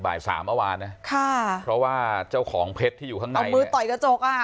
บ่ายสามเมื่อวานนะค่ะเพราะว่าเจ้าของเพชรที่อยู่ข้างในเอามือต่อยกระจกอ่ะ